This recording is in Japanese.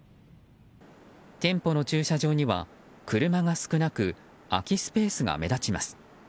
店舗の駐車場には車が少なく空きスペースが目立ちます。